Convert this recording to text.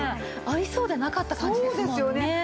ありそうでなかった感じですもんね。